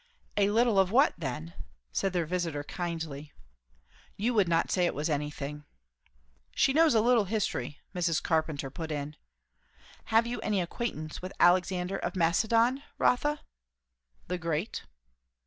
"A little of what, then?" said their visiter kindly. "You would not say it was anything." "She knows a little history," Mrs. Carpenter put in. "Have you any acquaintance with Alexander of Macedon, Rotha?" "The Great?